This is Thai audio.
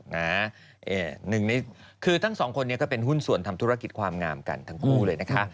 หนึ่งในคือทั้งสองคนนี้ก็เป็นหุ้นส่วนทำธุรกิจความงามกันทั้งคู่เลยนะคะ